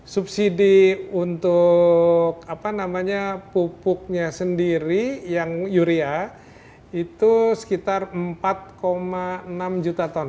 subsidi untuk pupuknya sendiri yang yuria itu sekitar empat enam juta ton